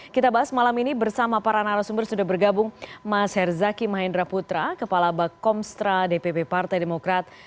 kita bahas malam ini bersama para narasumber sudah bergabung mas herzaki mahendra putra kepala bakomstra dpp partai demokrat